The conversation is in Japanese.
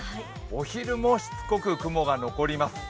お昼もしつこく雲が残ります。